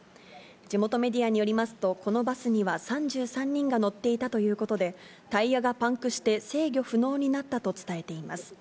地元メディアによりますと、このバスには３３人が乗っていたということで、タイヤがパンクして、制御不能になったと伝えています。